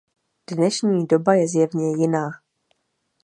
Dnešní doba je zjevně jiná.